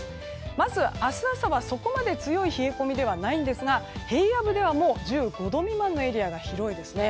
まず明日朝はそこまで強い冷え込みではないんですが平野部では１５度未満のエリアが広いですね。